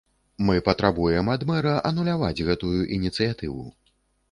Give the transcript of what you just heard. Мы патрабуем ад мэра ануляваць гэтую ініцыятыву.